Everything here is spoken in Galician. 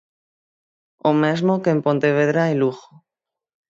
O mesmo que en Pontevedra e Lugo.